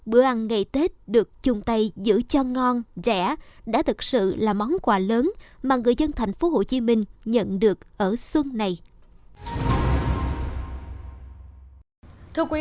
bữa ăn ngày tết được chung tay giữ cho ngon rẻ đã thực sự là món quà lớn mà người dân thành phố hồ chí minh nhận được ở xuân này